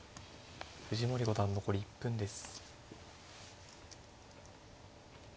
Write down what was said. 藤森五段残り１分です。